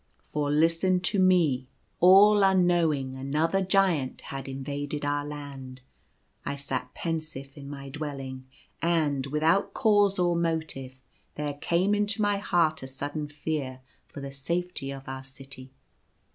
For listen to me : all unknowing that The People scoff. $j another Giant had invaded our land, I sat pensive in my dwelling; and, without cause or motive, there came into my heart a sudden fear for the safety of our city.